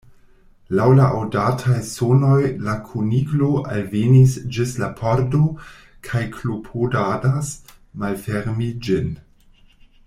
Laŭ la aŭdataj sonoj la Kuniklo alvenis ĝis la pordo, kaj klopodadas malfermi ĝin.